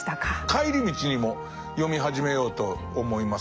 帰り道にも読み始めようと思います。